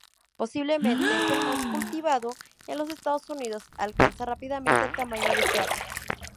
Posiblemente es el más cultivado en los Estados Unidos; alcanza rápidamente el tamaño deseado.